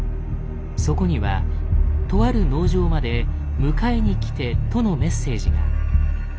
そこにはとある農場まで「迎えにきて」とのメッセージが。